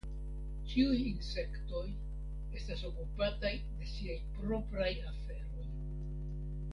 Ĉiuj insektoj estas okupataj de siaj propraj aferoj.